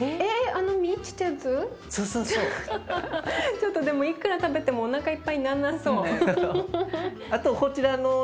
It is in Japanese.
ちょっとでもいくら食べてもおなかいっぱいなんなそう。